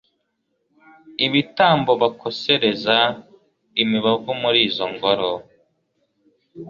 ibitambo bakosereza imibavu muri izo ngoro